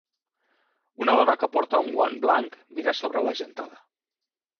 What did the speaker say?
Una dona que porta un guant blanc mira sobre la gentada.